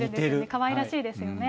かわいらしいですよね。